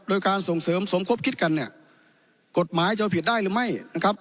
โดยการส่งเสริมสมคบคิดกันเนี่ยกฎหมายจะผิดได้หรือไม่นะครับ